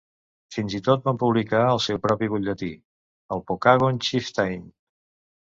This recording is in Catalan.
Fins i tot van publicar el seu propi butlletí, el "Pokagon Chieftain".